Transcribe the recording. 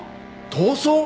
逃走！？